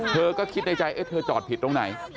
เธอก็คิดในใจเอ๊ะเธอจอดผิดตรงไหน